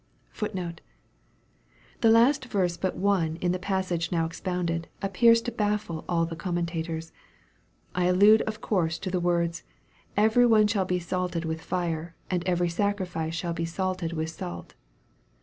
The last verse but one in the passage now expounded, appears to baffle all the commentators. I allude of course to the words, " Every one shall be salted with fire, and every sacrifice shall be salted with salt."